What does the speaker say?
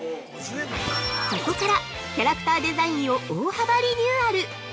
◆そこからキャラクターデザインを大幅リニューアル！